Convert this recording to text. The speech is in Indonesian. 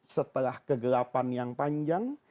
setelah kegelapan yang panjang